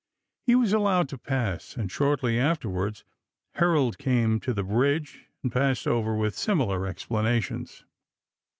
He was allowed to pass, and shortly after wards Herold came to the bridge and passed over with similar explanations.